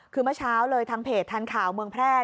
คือเมื่อเช้าเลยทางเพจทันข่าวเมืองแพร่